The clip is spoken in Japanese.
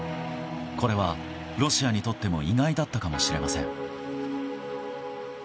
これはロシアにとっても意外だったかもしれません。